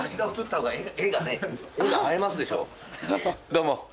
どうも。